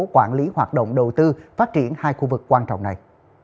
quản lý hoạt động đầu tư phát triển hai khu vực quan trọng này